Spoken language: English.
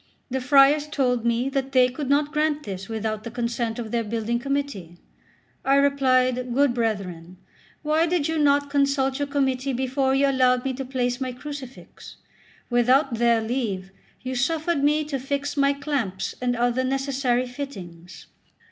The friars told me that they could not grant this without the consent of their building committee. I replied: "Good brethren, why did not you consult your committee before you allowed me to place my crucifix? Without their leave you suffered me to fix my clamps and other necessary fittings."